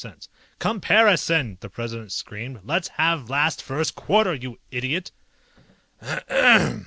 "COMPARISON!" The President screamed. "Let's have last first quarter, you idiot!"